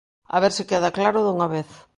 A ver se queda claro dunha vez.